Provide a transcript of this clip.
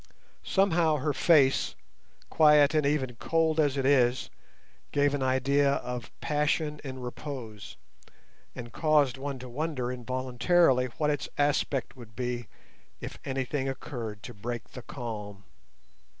Somehow her face, quiet and even cold as it is, gave an idea of passion in repose, and caused one to wonder involuntarily what its aspect would be if anything occurred to break the calm.